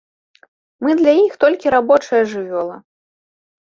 Мы для іх толькі рабочая жывёла.